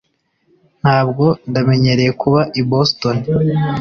Ntabwo ndamenyereye kuba i Boston